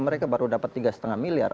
mereka baru dapat tiga lima miliar